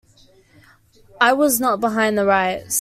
I was not behind the riots.